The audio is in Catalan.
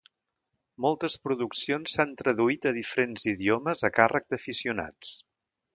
Moltes produccions s'han traduït a diferents idiomes a càrrec d'aficionats.